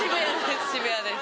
渋谷です。